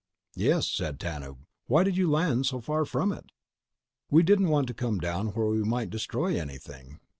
"Yes," said Tanub. "Why did you land so far from it?" "We didn't want to come down where we might destroy anything."